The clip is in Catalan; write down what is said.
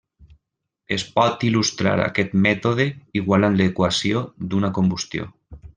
Es pot il·lustrar aquest mètode igualant l'equació d'una combustió.